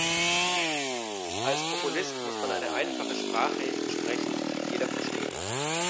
Als Populist muss man eine einfache Sprache sprechen, die jeder versteht.